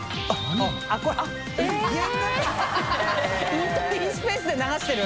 ）イートインスペースで流してる。）